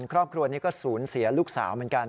ครอบครัวนี้ก็สูญเสียลูกสาวเหมือนกัน